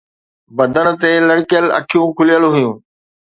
بدن تي لڙڪيل اکيون کليل هيون